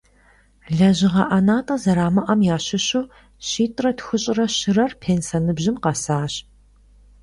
Лэжьыгъэ ӏэнатӏэ зэрамыӏэм ящыщу щитӏрэ тхущӏрэ щырэр пенсэ ныбжьым къэсащ.